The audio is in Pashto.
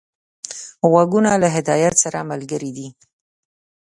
غوږونه له هدایت سره ملګري دي